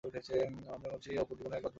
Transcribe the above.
বাঁকা-কঞ্চি অপুর জীবনে এক অদ্ভুত জিনিস!